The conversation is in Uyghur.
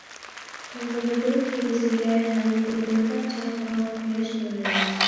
تولدۇرىدۇ كېمىسىگە ھەم گۇگۇمدا چايقالغان قۇياش نۇرىنى.